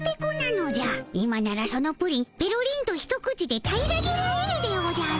今ならそのプリンぺろりんと一口で平らげられるでおじゃる。